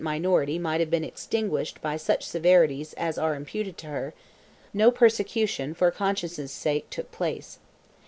minority might have been extinguished by such severities as are imputed to her, no persecution for conscience' sake took place.